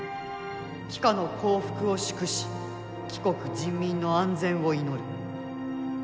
貴下の幸福を祝し貴国人民の安全を祈る。